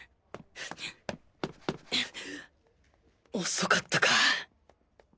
遅かったか。